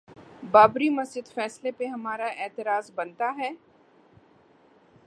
بابری مسجد فیصلے پر ہمارا اعتراض بنتا ہے؟